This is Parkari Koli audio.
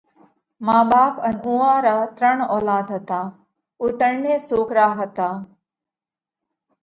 مان ٻاپ ان اُوئا را ترڻ اولاڌ هتا، اُو ترڻي سوڪرا هتا۔